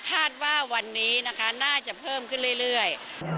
คาดว่าวันนี้นะคะน่าจะเพิ่มขึ้นเรื่อย